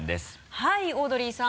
はいオードリーさん。